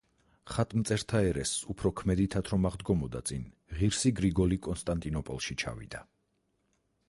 ხატმბრძოლთა ერესს უფრო ქმედითად რომ აღდგომოდა წინ, ღირსი გრიგოლი კონსტანტინოპოლში ჩავიდა.